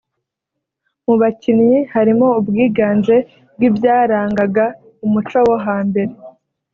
Mu bakinnyi harimo ubwiganze bw’ibyarangaga umuco wo hambere